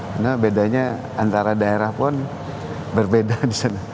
karena bedanya antara daerah pun berbeda di sana